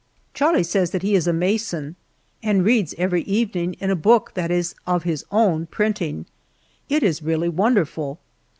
Charlie says that he is a mason and reads every evening in a book that is of his own printing. It is really wonderful.